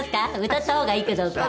歌った方がいいかどうか。